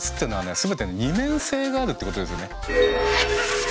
全て二面性があるってことですよね。